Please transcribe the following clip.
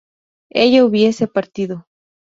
ella hubiese partido